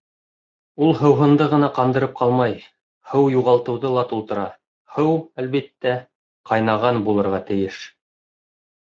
Ул һыуһынды ғына ҡандырып ҡалмай, һыу юғалтыуҙы ла тултыра, һыу, әлбиттә, ҡайнаған булырға тейеш.